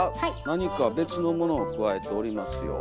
何か別のものをくわえておりますよ。